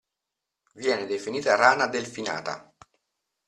Viene definita rana delfinata.